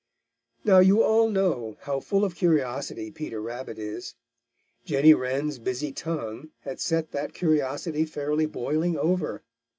Now, you all know how full of curiosity Peter Rabbit is. Jenny Wren's busy tongue had set that curiosity fairly boiling over.